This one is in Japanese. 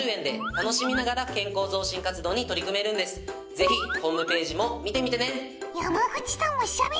ぜひホームページも見てみてね。